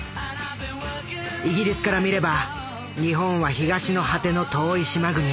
イギリスから見れば日本は東の果ての遠い島国。